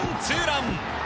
ツーラン。